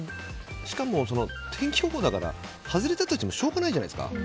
しかも、天気予報だから外れたとしてもしょうがないじゃないですか。